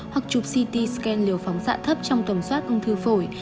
hoặc chụp ct scan liều phóng xạ thấp trong tầm soát ung thư phổi